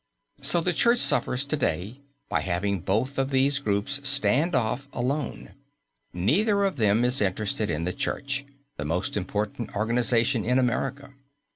So the Church suffers to day by having both of these groups stand off alone. Neither of them is interested in the Church, the most important organization in America.